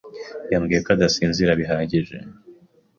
yambwiye ko adasinzira bihagije.